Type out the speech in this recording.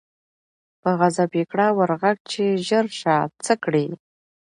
په غضب یې کړه ور ږغ چي ژر سه څه کړې